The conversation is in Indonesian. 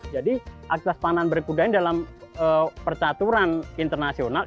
jadi akses panahan berkuda ini dalam percaturan internasional